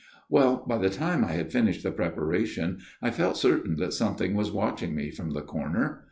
" Well, by the time I had finished the prepara tion, I felt certain that something was watching me from the corner.